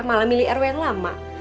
malah milih rw yang lama